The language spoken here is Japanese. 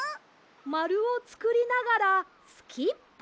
まるをつくりながらスキップ。